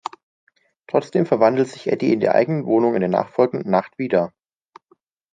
Trotzdem verwandelt sich Eddie in der eigenen Wohnung in der nachfolgenden Nacht wieder.